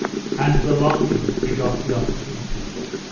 And the longing begot the opportunity.